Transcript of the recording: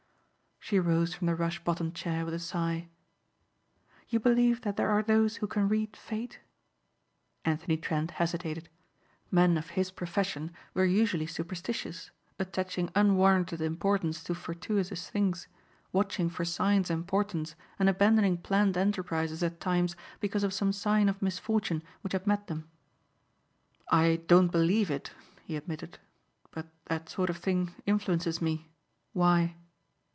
She rose from the rush bottomed chair with a sigh. "You believe that there are those who can read fate?" Anthony Trent hesitated. Men of his profession were usually superstitious attaching unwarranted importance to fortuitous things, watching for signs and portents and abandoning planned enterprises at times because of some sign of misfortune which had met them. "I don't believe it," he admitted, "but that sort of thing influences me. Why?"